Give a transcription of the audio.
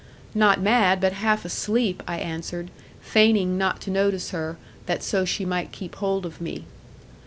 'Not mad, but half asleep,' I answered, feigning not to notice her, that so she might keep hold of me.